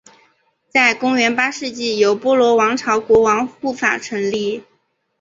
在公元八世纪由波罗王朝国王护法成立。